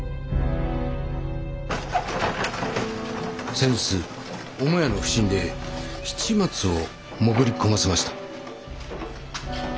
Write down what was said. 先日母屋の普請で七松を潜り込ませました。